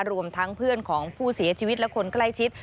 รวมทั้งเพื่อนของผู้เสียชีวิตและคนใกล้ชิด